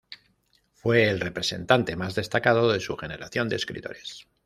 Fue el representante más destacado de su generación de escritores.